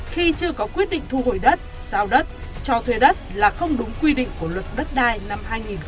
khi chưa có quyết định thu hồi đất giao đất cho thuê đất là không đúng quy định của luật đất đai năm hai nghìn một mươi ba